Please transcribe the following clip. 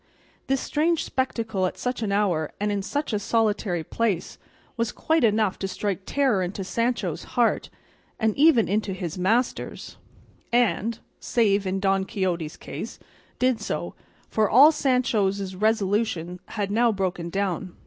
This strange spectacle at such an hour and in such a solitary place was quite enough to strike terror into Sancho's heart, and even into his master's; and (save in Don Quixote's case) did so, for all Sancho's resolution had now broken down.